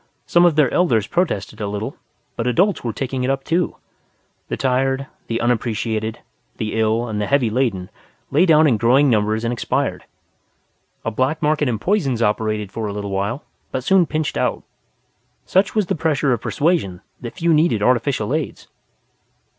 Some of their elders protested a little, but adults were taking it up too. The tired, the unappreciated, the ill and the heavy laden lay down in growing numbers and expired. A black market in poisons operated for a little while, but soon pinched out. Such was the pressure of persuasion that few needed artificial aids.